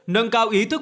nâng cao ý thức